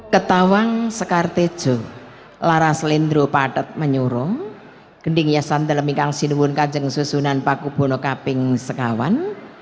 ketawang skartiju lara selindru padat menyuro kedingiasan dalemingkang sinuun kanjeng susunan pakubwono kaping sekawan